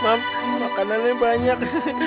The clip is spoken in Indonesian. mam makanannya banyak